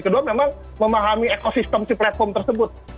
kedua memang memahami ekosistem si platform tersebut